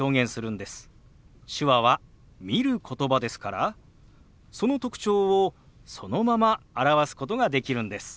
手話は見る言葉ですからその特徴をそのまま表すことができるんです。